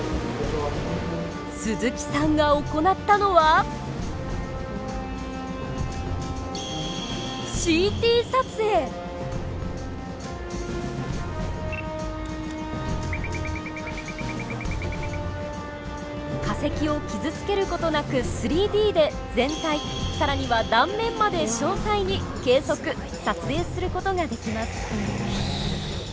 鈴木さんが行ったのは化石を傷つけることなく３Ｄで全体更には断面まで詳細に計測撮影することができます。